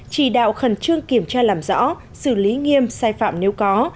chỉ đạo khẩn trương kiểm tra làm rõ xử lý nghiêm sai phạm nếu có